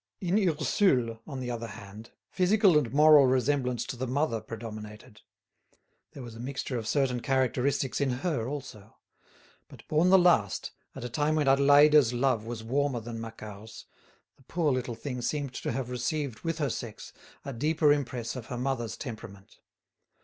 In Ursule, on the other hand, physical and moral resemblance to the mother predominated. There was a mixture of certain characteristics in her also; but born the last, at a time when Adélaïde's love was warmer than Macquart's, the poor little thing seemed to have received with her sex a deeper impress of her mother's temperament.